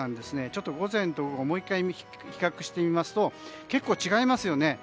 ちょっと午前と午後比較してみますと結構、違いますよね。